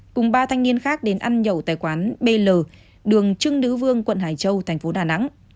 cùng ba thanh niên khác đến ăn nhậu tại quán bl đường trưng nữ vương quận hải châu thành phố đà nẵng